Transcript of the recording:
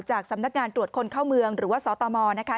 สำนักงานตรวจคนเข้าเมืองหรือว่าสตมนะคะ